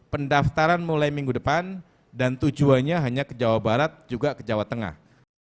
pendaftaran mulai minggu depan dan tujuannya hanya ke jawa barat juga ke jawa tengah